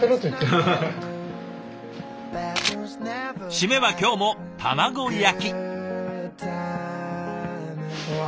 締めは今日も卵焼き。